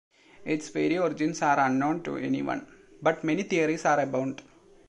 Its very origins are unknown to anyone, but many theories are abound.